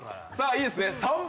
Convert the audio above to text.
さぁいいですね？